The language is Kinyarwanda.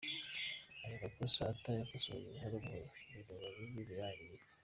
Iyo amakosa atayakosoye, buhoro buhoro ibintu biba bibi, birangirika.